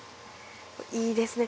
いいですね。